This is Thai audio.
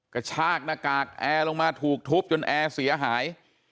กระชากหน้ากากแอร์ลงมาถูกทุบจนแอร์เสียหาย